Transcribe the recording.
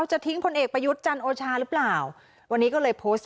จะทิ้งพลเอกประยุทธ์จันโอชาหรือเปล่าวันนี้ก็เลยโพสต์